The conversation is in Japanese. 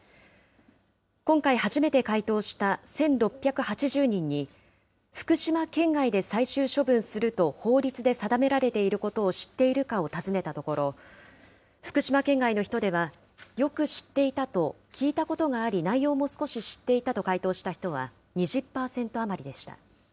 今回初めて回答した１６８０人に、福島県外で最終処分すると法律で定められていることを知っているかを尋ねたところ、福島県外の人では、よく知っていたと、聞いたことがあり、内容も少し知っていたと回答した人は２０％余りでした。